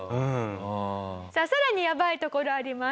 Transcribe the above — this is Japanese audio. さらにやばいところあります。